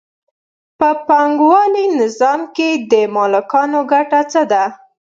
په پانګوالي نظام کې د مالکانو ګټه څه ده